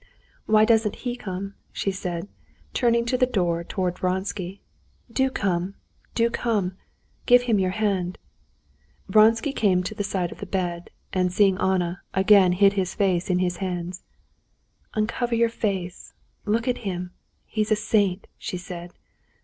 Why doesn't he come?" she said, turning to the door towards Vronsky. "Do come, do come! Give him your hand." Vronsky came to the side of the bed, and seeing Anna, again hid his face in his hands. "Uncover your face—look at him! He's a saint," she said.